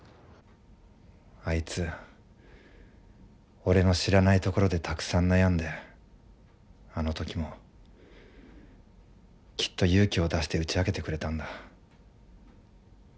あいつ俺の知らないところでたくさん悩んであの時もきっと勇気を出して打ち明けてくれたんだ。